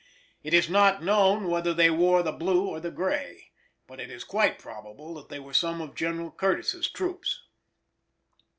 It is not known whether they wore the blue or the gray, but it is quite probable that they were some of General Curtis's troops.